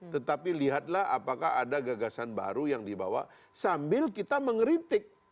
tetapi lihatlah apakah ada gagasan baru yang dibawa sambil kita mengeritik